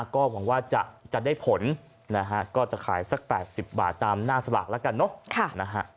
ก็หวังว่าจะได้ผลนะฮะก็จะขายสัก๘๐บาทตามหน้าสลากแล้วกันเนอะ